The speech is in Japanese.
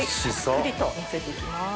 たっぷりとのせていきます。